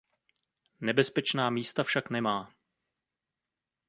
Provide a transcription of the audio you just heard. Nebezpečná místa však nemá.